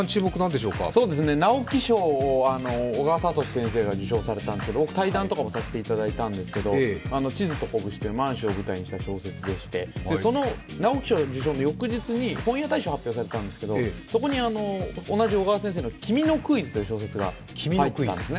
直木賞、小川哲先生が受賞されたんですけど僕、対談とかもさせていただいたんですけれども、「地図と拳」という満州を舞台にした小説でしてその直木賞受賞の翌日に本屋大賞が発表されたんですがそこに同じ小川先生の「君のクイズ」という小説が入ったんですね。